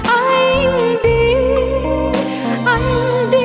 anh đi anh đi